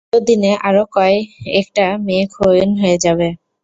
ততদিনে, আরও কয় একটা মেয়ে খুন হয়ে যাবে।